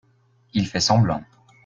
il fait semblant.